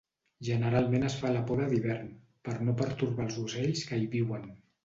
Generalment es fa la poda d'hivern, per no pertorbar els ocells que hi viuen.